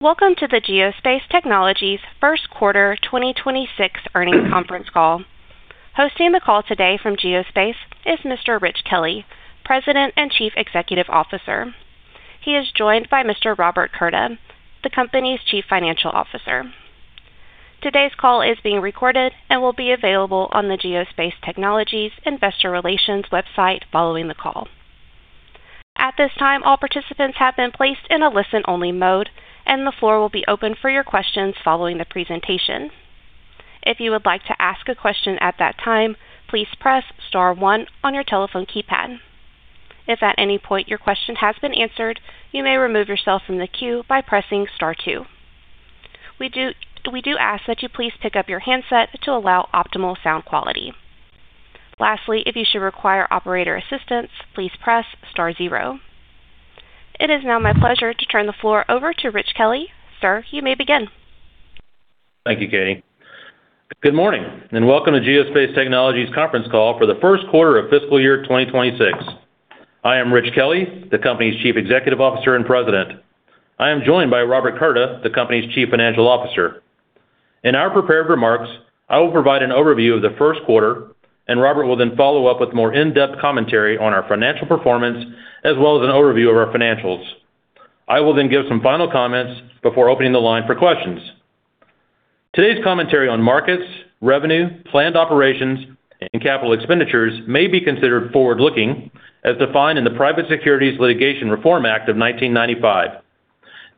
Welcome to the Geospace Technologies First Quarter 2026 Earnings Conference Call. Hosting the call today from Geospace is Mr. Rich Kelley, President and Chief Executive Officer. He is joined by Mr. Robert Curda, the company's Chief Financial Officer. Today's call is being recorded and will be available on the Geospace Technologies Investor Relations website following the call. At this time, all participants have been placed in a listen-only mode, and the floor will be open for your questions following the presentation. If you would like to ask a question at that time, please press star one on your telephone keypad. If at any point your question has been answered, you may remove yourself from the queue by pressing star two. We do, we do ask that you please pick up your handset to allow optimal sound quality. Lastly, if you should require operator assistance, please press star zero. It is now my pleasure to turn the floor over to Rich Kelley. Sir, you may begin. Thank you, Katie. Good morning, and welcome to Geospace Technologies conference call for the first quarter of fiscal year 2026. I am Rich Kelley, the company's Chief Executive Officer and President. I am joined by Robert Curda, the company's Chief Financial Officer. In our prepared remarks, I will provide an overview of the first quarter, and Robert will then follow up with more in-depth commentary on our financial performance, as well as an overview of our financials. I will then give some final comments before opening the line for questions. Today's commentary on markets, revenue, planned operations, and capital expenditures may be considered forward-looking, as defined in the Private Securities Litigation Reform Act of 1995.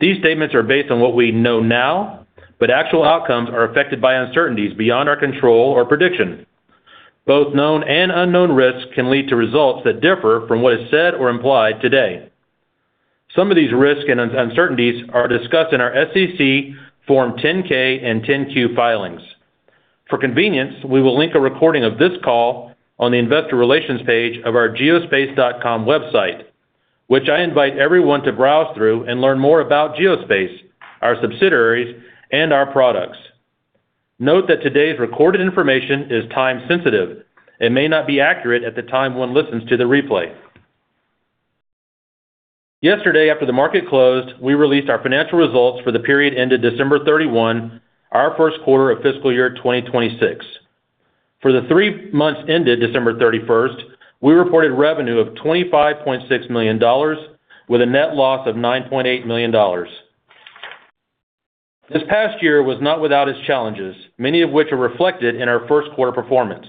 These statements are based on what we know now, but actual outcomes are affected by uncertainties beyond our control or prediction. Both known and unknown risks can lead to results that differ from what is said or implied today. Some of these risks and uncertainties are discussed in our SEC Form 10-K and 10-Q filings. For convenience, we will link a recording of this call on the Investor Relations page of our Geospace.com website, which I invite everyone to browse through and learn more about Geospace, our subsidiaries, and our products. Note that today's recorded information is time-sensitive and may not be accurate at the time one listens to the replay. Yesterday, after the market closed, we released our financial results for the period ended December 31, our first quarter of fiscal year 2026. For the three months ended December 31, we reported revenue of $25.6 million, with a net loss of $9.8 million. This past year was not without its challenges, many of which are reflected in our first-quarter performance.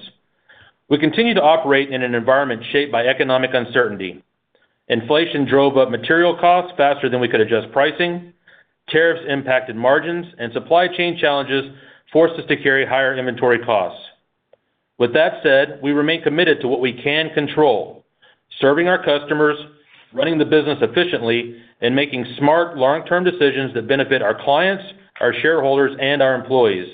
We continue to operate in an environment shaped by economic uncertainty. Inflation drove up material costs faster than we could adjust pricing, tariffs impacted margins, and supply chain challenges forced us to carry higher inventory costs. With that said, we remain committed to what we can control: serving our customers, running the business efficiently, and making smart, long-term decisions that benefit our clients, our shareholders, and our employees.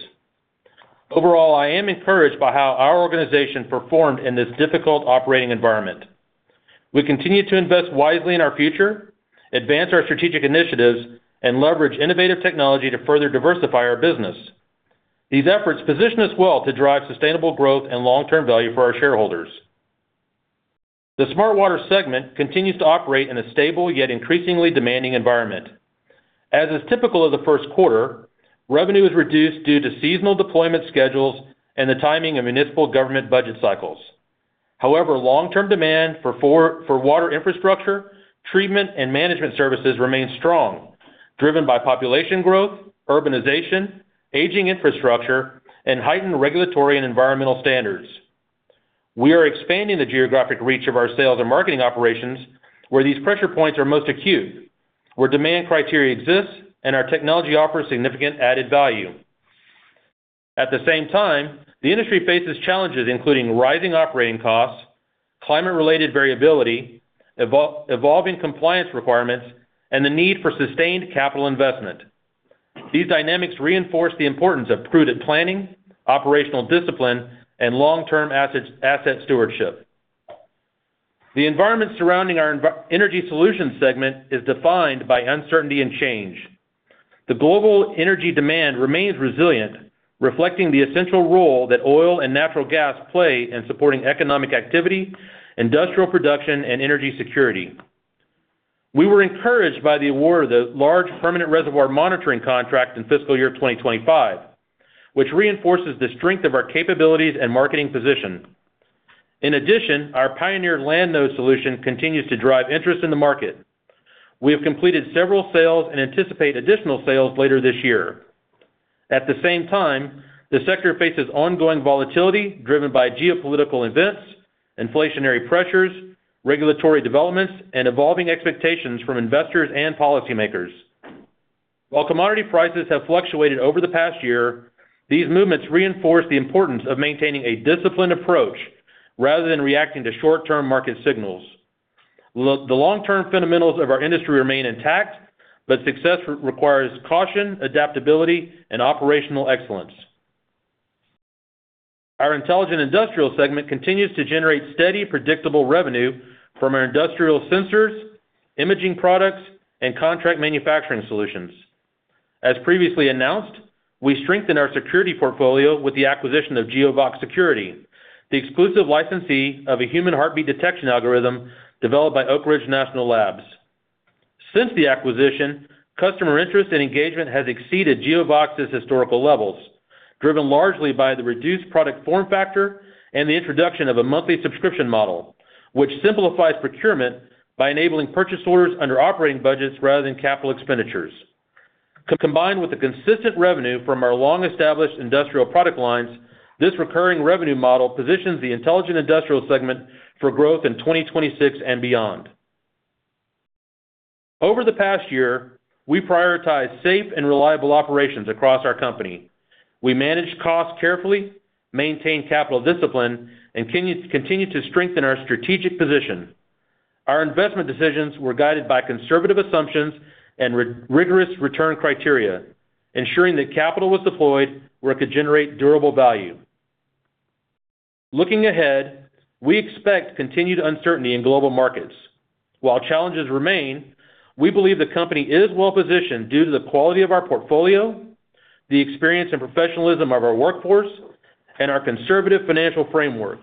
Overall, I am encouraged by how our organization performed in this difficult operating environment. We continue to invest wisely in our future, advance our strategic initiatives, and leverage innovative technology to further diversify our business. These efforts position us well to drive sustainable growth and long-term value for our shareholders. The Smart Water segment continues to operate in a stable, yet increasingly demanding environment. As is typical of the first quarter, revenue is reduced due to seasonal deployment schedules and the timing of municipal government budget cycles. However, long-term demand for for water infrastructure, treatment, and management services remains strong, driven by population growth, urbanization, aging infrastructure, and heightened regulatory and environmental standards. We are expanding the geographic reach of our sales and marketing operations, where these pressure points are most acute, where demand criteria exists, and our technology offers significant added value. At the same time, the industry faces challenges, including rising operating costs, climate-related variability, evolving compliance requirements, and the need for sustained capital investment. These dynamics reinforce the importance of prudent planning, operational discipline, and long-term asset stewardship. The environment surrounding our Energy Solutions segment is defined by uncertainty and change. The global energy demand remains resilient, reflecting the essential role that oil and natural gas play in supporting economic activity, industrial production, and energy security. We were encouraged by the award of the large permanent reservoir monitoring contract in fiscal year 2025, which reinforces the strength of our capabilities and marketing position. In addition, our Pioneer land node solution continues to drive interest in the market. We have completed several sales and anticipate additional sales later this year. At the same time, the sector faces ongoing volatility driven by geopolitical events, inflationary pressures, regulatory developments, and evolving expectations from investors and policymakers. While commodity prices have fluctuated over the past year, these movements reinforce the importance of maintaining a disciplined approach rather than reacting to short-term market signals. Look, the long-term fundamentals of our industry remain intact, but success requires caution, adaptability, and operational excellence. Our intelligent industrial segment continues to generate steady, predictable revenue from our industrial sensors, imaging products, and contract manufacturing solutions. As previously announced, we strengthened our security portfolio with the acquisition of Geovox Security, the exclusive licensee of a human heartbeat detection algorithm developed by Oak Ridge National Laboratory. Since the acquisition, customer interest and engagement has exceeded Geovox's historical levels, driven largely by the reduced product form factor and the introduction of a monthly subscription model, which simplifies procurement by enabling purchase orders under operating budgets rather than capital expenditures. Combined with the consistent revenue from our long-established industrial product lines, this recurring revenue model positions the intelligent industrial segment for growth in 2026 and beyond. Over the past year, we prioritized safe and reliable operations across our company. We managed costs carefully, maintained capital discipline, and continued to strengthen our strategic position. Our investment decisions were guided by conservative assumptions and rigorous return criteria, ensuring that capital was deployed where it could generate durable value. Looking ahead, we expect continued uncertainty in global markets. While challenges remain, we believe the company is well-positioned due to the quality of our portfolio, the experience and professionalism of our workforce, and our conservative financial framework.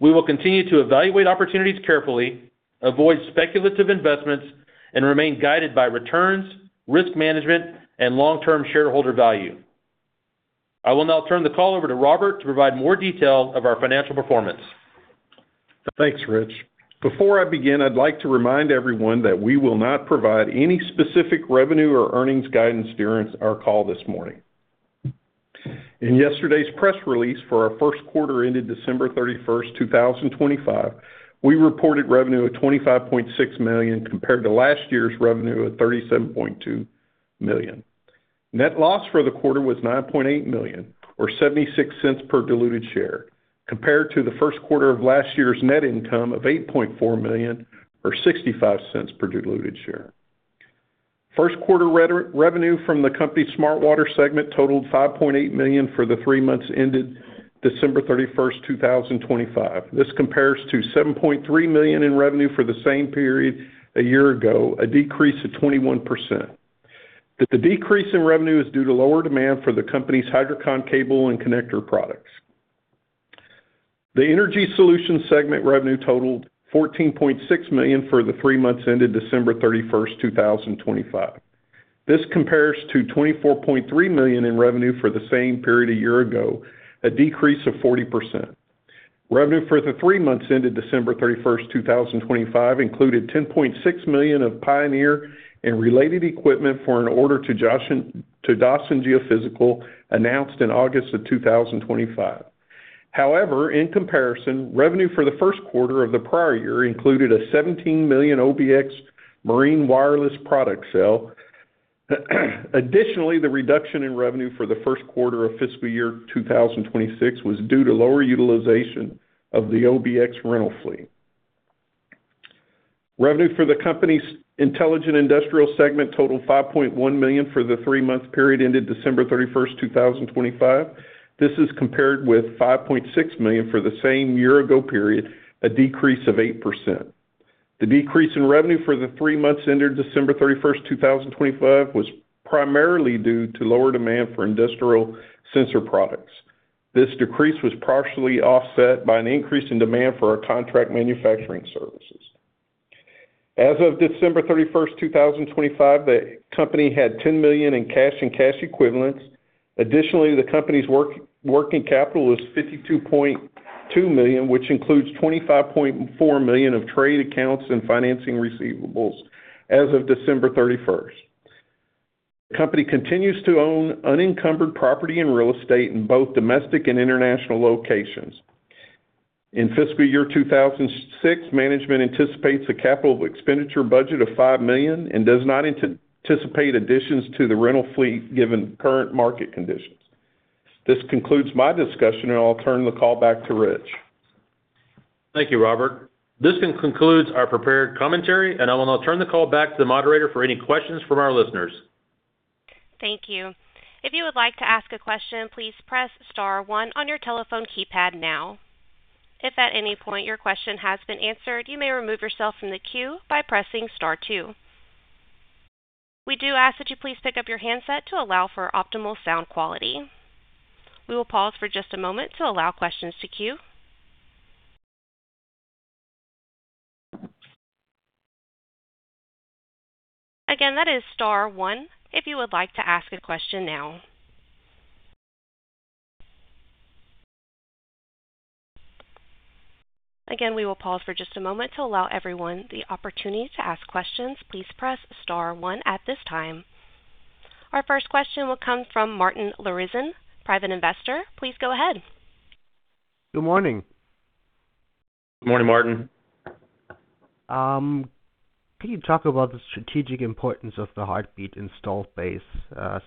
We will continue to evaluate opportunities carefully, avoid speculative investments, and remain guided by returns, risk management, and long-term shareholder value. I will now turn the call over to Robert to provide more detail of our financial performance. Thanks, Rich. Before I begin, I'd like to remind everyone that we will not provide any specific revenue or earnings guidance during our call this morning. In yesterday's press release for our first quarter ended December 31, 2025, we reported revenue of $25.6 million, compared to last year's revenue of $37.2 million. Net loss for the quarter was $9.8 million, or $0.76 per diluted share, compared to the first quarter of last year's net income of $8.4 million, or $0.65 per diluted share. First quarter revenue from the company's Smart Water segment totaled $5.8 million for the three months ended December 31, 2025. This compares to $7.3 million in revenue for the same period a year ago, a decrease of 21%. The decrease in revenue is due to lower demand for the company's Hydroconn cable and connector products. The Energy Solutions segment revenue totaled $14.6 million for the three months ended December 31, 2025. This compares to $24.3 million in revenue for the same period a year ago, a decrease of 40%. Revenue for the three months ended December 31, 2025, included $10.6 million of Pioneer and related equipment for an order to Dawson Geophysical, announced in August 2025. However, in comparison, revenue for the first quarter of the prior year included a $17 million OBX marine wireless product sale. Additionally, the reduction in revenue for the first quarter of fiscal year 2026 was due to lower utilization of the OBX rental fleet. Revenue for the company's Intelligent Industrial segment totaled $5.1 million for the three-month period ended December 31, 2025. This is compared with $5.6 million for the same year-ago period, a decrease of 8%. The decrease in revenue for the three months ended December 31, 2025, was primarily due to lower demand for industrial sensor products. This decrease was partially offset by an increase in demand for our contract manufacturing services. As of December 31, 2025, the company had $10 million in cash and cash equivalents. Additionally, the company's working capital was $52.2 million, which includes $25.4 million of trade accounts and financing receivables as of December 31. The company continues to own unencumbered property and real estate in both domestic and international locations. In fiscal year 2006, management anticipates a capital expenditure budget of $5 million and does not anticipate additions to the rental fleet given current market conditions. This concludes my discussion, and I'll turn the call back to Rich. Thank you, Robert. This concludes our prepared commentary, and I will now turn the call back to the moderator for any questions from our listeners. Thank you. If you would like to ask a question, please press star one on your telephone keypad now. If at any point your question has been answered, you may remove yourself from the queue by pressing star two. We do ask that you please pick up your handset to allow for optimal sound quality. We will pause for just a moment to allow questions to queue. Again, that is star one if you would like to ask a question now. Again, we will pause for just a moment to allow everyone the opportunity to ask questions. Please press star one at this time. Our first question will come from Martin Lorenzen, private investor. Please go ahead. Good morning. Good morning, Martin. Can you talk about the strategic importance of the Heartbeat installed base?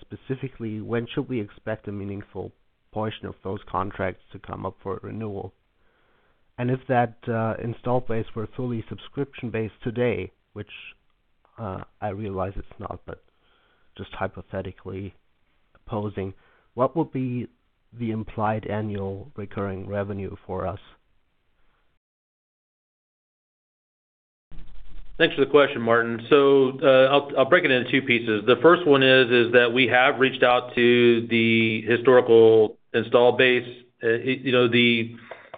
Specifically, when should we expect a meaningful portion of those contracts to come up for renewal? And if that installed base were fully subscription-based today, which I realize it's not, but just hypothetically posing, what would be the implied annual recurring revenue for us? Thanks for the question, Martin. So, I'll break it into two pieces. The first one is that we have reached out to the historical installed base. You know,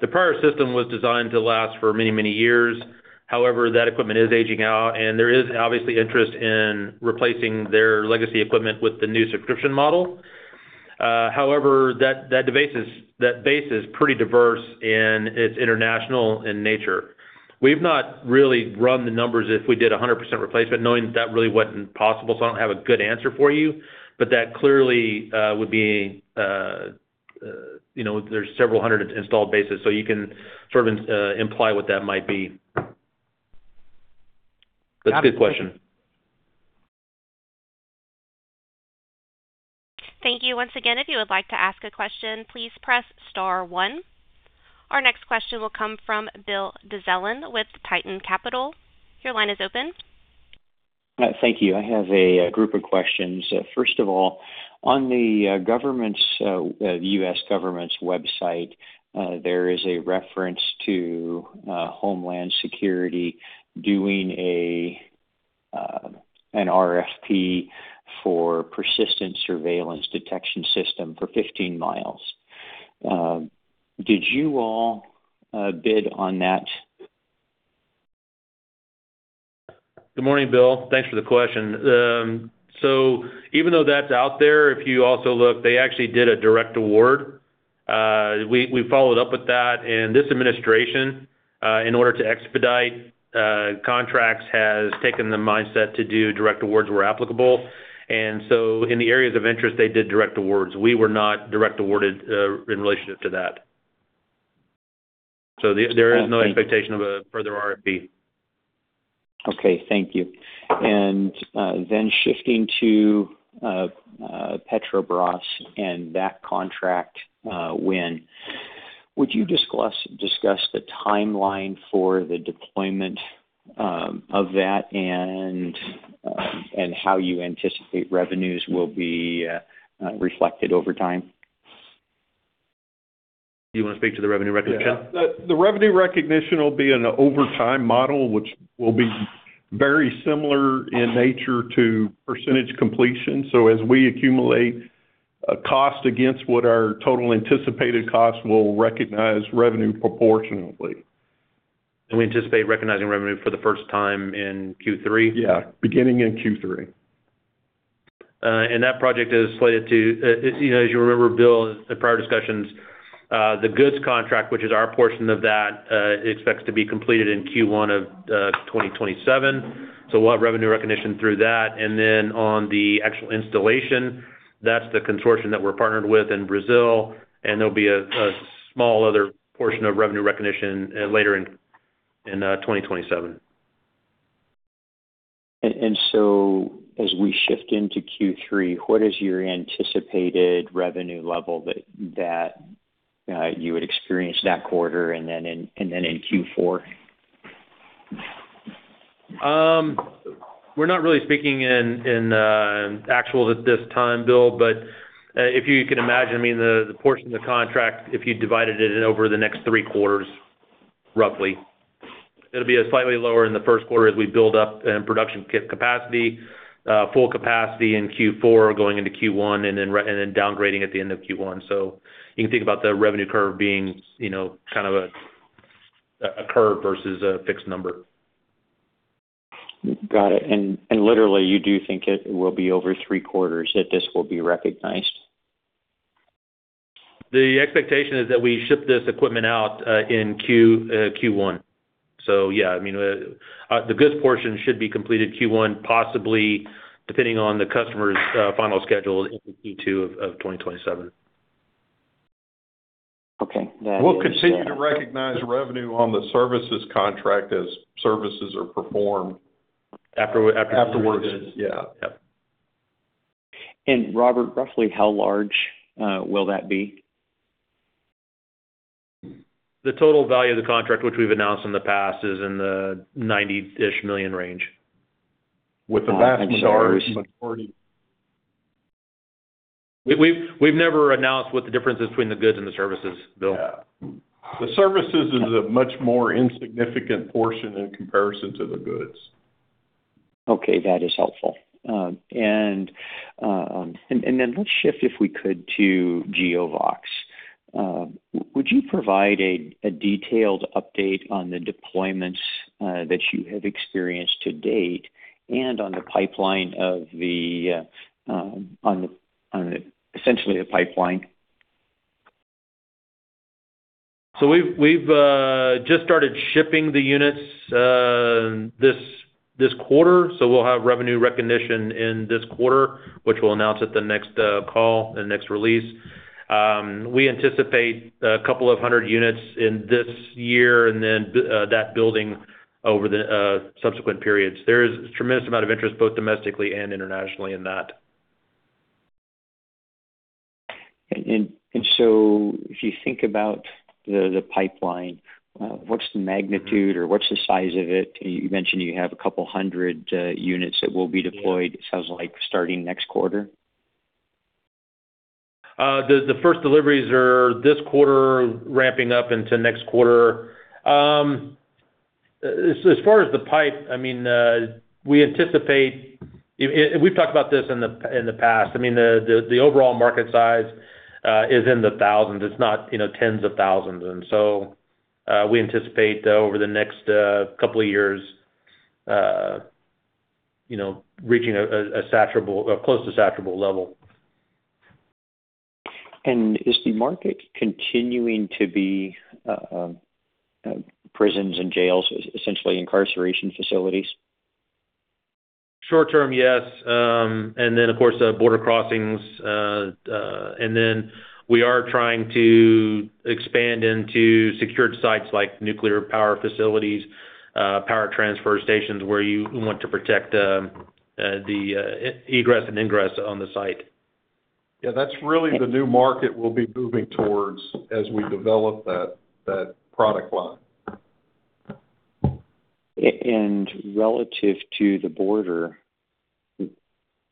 the prior system was designed to last for many, many years. However, that equipment is aging out, and there is obviously interest in replacing their legacy equipment with the new subscription model. However, that base is pretty diverse, and it's international in nature. We've not really run the numbers if we did 100% replacement, knowing that really wasn't possible, so I don't have a good answer for you. But that clearly would be, you know, there's several hundred installed bases, so you can sort of imply what that might be. That's a good question. Thank you. Once again, if you would like to ask a question, please press star one. Our next question will come from Bill Dezellem with Tieton Capital. Your line is open. Thank you. I have a group of questions. First of all, on the U.S. government's website, there is a reference to Homeland Security doing an RFP for persistent surveillance detection system for 15 miles. Did you all bid on that? Good morning, Bill. Thanks for the question. So even though that's out there, if you also look, they actually did a direct award. We followed up with that, and this administration, in order to expedite contracts, has taken the mindset to do direct awards where applicable. And so in the areas of interest, they did direct awards. We were not direct awarded in relationship to that. So there is no expectation of a further RFP. Okay, thank you. And then shifting to Petrobras and that contract win. Would you discuss the timeline for the deployment of that and how you anticipate revenues will be reflected over time? Do you want to speak to the revenue recognition? Yeah. The revenue recognition will be an over time model, which will be very similar in nature to percentage completion. So as we accumulate a cost against what our total anticipated cost, we'll recognize revenue proportionately. We anticipate recognizing revenue for the first time in Q3? Yeah, beginning in Q3. And that project is slated to, as you know, as you remember, Bill, the prior discussions, the goods contract, which is our portion of that, expects to be completed in Q1 of 2027. So we'll have revenue recognition through that. And then on the actual installation, that's the consortium that we're partnered with in Brazil, and there'll be a small other portion of revenue recognition later in Q4 in 2027. And so as we shift into Q3, what is your anticipated revenue level that you would experience that quarter and then in Q4? We're not really speaking in actuals at this time, Bill, but if you could imagine, I mean, the portion of the contract, if you divided it in over the next three quarters, roughly, it'll be a slightly lower in the first quarter as we build up in production capacity, full capacity in Q4, going into Q1, and then downgrading at the end of Q1. So you can think about the revenue curve being, you know, kind of a curve versus a fixed number. Got it. And literally, you do think it will be over three quarters that this will be recognized? The expectation is that we ship this equipment out in Q1. So yeah, I mean, the goods portion should be completed Q1, possibly, depending on the customer's final schedule, in Q2 of 2027. Okay. We'll continue to recognize revenue on the services contract as services are performed. After we, Afterwards. Yeah. Yep. Robert, roughly how large will that be? The total value of the contract, which we've announced in the past, is in the $90 million range. With the vast majority. With the vast majority. We've never announced what the difference is between the goods and the services, Bill. Yeah. The services is a much more insignificant portion in comparison to the goods. Okay, that is helpful. And then let's shift, if we could, to Geovox. Would you provide a detailed update on the deployments that you have experienced to date, and on the pipeline... essentially, the pipeline? So we've just started shipping the units this quarter. So we'll have revenue recognition in this quarter, which we'll announce at the next call, the next release. We anticipate a couple of hundred units in this year, and then that building over the subsequent periods. There is a tremendous amount of interest, both domestically and internationally, in that. So if you think about the pipeline, what's the magnitude or what's the size of it? You mentioned you have a couple hundred units that will be deployed. It sounds like starting next quarter? The first deliveries are this quarter, ramping up into next quarter. As far as the pipe, I mean, we anticipate, I mean, and we've talked about this in the past, I mean, the overall market size is in the thousands. It's not, you know, tens of thousands. And so, we anticipate, over the next couple of years, you know, reaching a saturable, a close to saturable level. Is the market continuing to be prisons and jails, essentially incarceration facilities? Short term, yes. And then, of course, border crossings. And then we are trying to expand into secured sites like nuclear power facilities, power transfer stations, where you want to protect the egress and ingress on the site. Yeah, that's really the new market we'll be moving towards as we develop that product line. Relative to the border,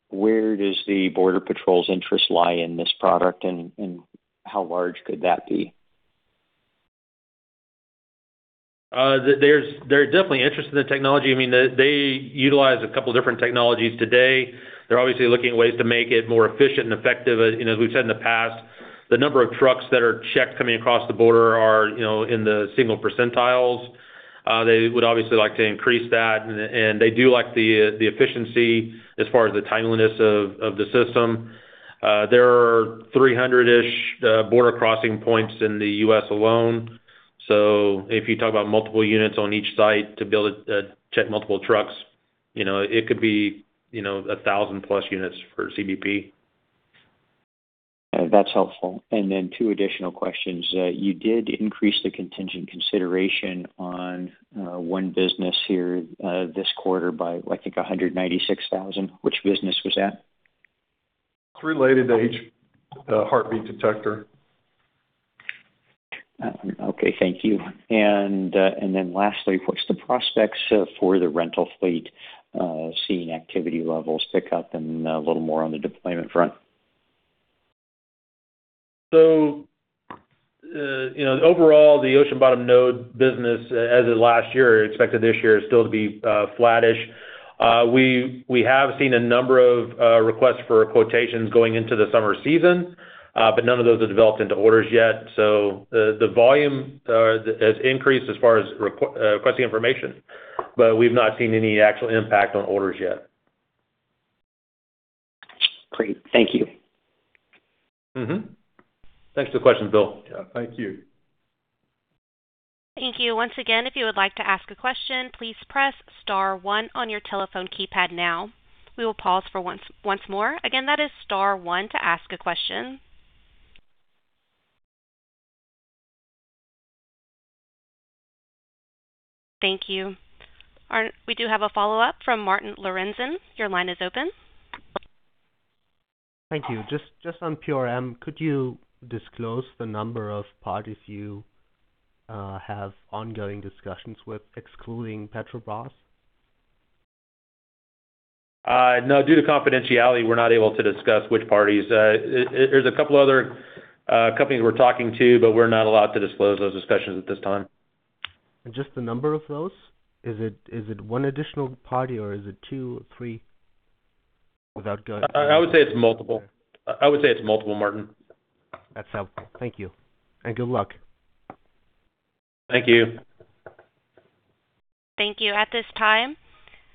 where does the Border Patrol's interest lie in this product, and how large could that be? There's, they're definitely interested in the technology. I mean, they, they utilize a couple different technologies today. They're obviously looking at ways to make it more efficient and effective. As, you know, as we've said in the past, the number of trucks that are checked coming across the border are, you know, in the single percentiles. They would obviously like to increase that, and, and they do like the, the efficiency as far as the timeliness of, of the system. There are 300 border crossing points in the U.S. alone. So if you talk about multiple units on each site to build, check multiple trucks, you know, it could be, you know, a 1,000+ units for CBP. That's helpful. And then two additional questions. You did increase the contingent consideration on one business here this quarter by, I think, $196,000. Which business was that? It's related to H, Heartbeat Detector. Okay, thank you. And then lastly, what's the prospects for the rental fleet seeing activity levels pick up and a little more on the deployment front? So, you know, overall, the Ocean-Bottom Node business, as of last year, are expected this year still to be flattish. We have seen a number of requests for quotations going into the summer season, but none of those have developed into orders yet. So the volume has increased as far as requesting information, but we've not seen any actual impact on orders yet. Great. Thank you. Thanks for the question, Bill. Yeah, thank you. Thank you. Once again, if you would like to ask a question, please press star one on your telephone keypad now. We will pause for once, once more. Again, that is star one to ask a question. Thank you. We do have a follow-up from Martin Lorenzen. Your line is open. Thank you. Just, just on PRM, could you disclose the number of parties you have ongoing discussions with, excluding Petrobras? No, due to confidentiality, we're not able to discuss which parties. There's a couple other companies we're talking to, but we're not allowed to disclose those discussions at this time. Just the number of those, is it, is it one additional party, or is it two, three? Without going- I would say it's multiple. I would say it's multiple, Martin. That's helpful. Thank you, and good luck. Thank you. Thank you. At this time,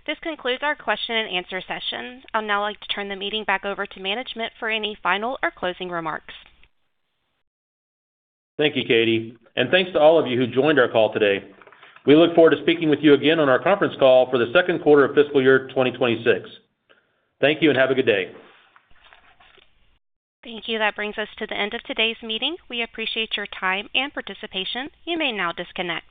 this concludes our question-and-answer session. I'd now like to turn the meeting back over to management for any final or closing remarks. Thank you, Katie, and thanks to all of you who joined our call today. We look forward to speaking with you again on our conference call for the second quarter of fiscal year 2026. Thank you, and have a good day. Thank you. That brings us to the end of today's meeting. We appreciate your time and participation. You may now disconnect.